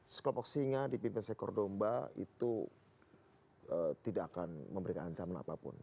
sekelompok singa dipimpin seekor domba itu tidak akan memberikan ancaman apapun